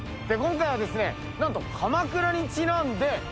今回はなんと鎌倉にちなんで。